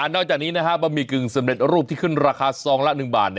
นอกจากนี้บะหมี่กึ่งสำเร็จรูปที่ขึ้นราคาซองละ๑บาท